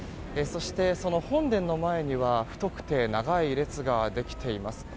そして、その本殿の前には太くて長い列ができています。